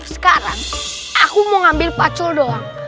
sekarang aku mau ngambil pacul doang